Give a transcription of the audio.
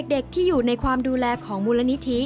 เด็กที่อยู่ในความดูแลของมูลนิธิ